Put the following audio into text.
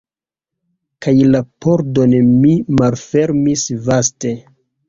Kaj la pordon mi malfermis vaste.